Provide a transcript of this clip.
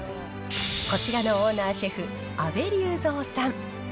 こちらのオーナーシェフ、安倍竜三さん。